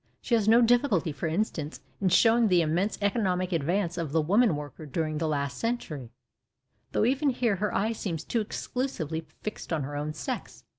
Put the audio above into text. She has no difficulty, for instance, in showing the immense economic advance of the woman worker during the last century, though even here her eye seems too exclusively fixed on her own sex.